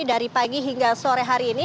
dari pagi hingga sore hari ini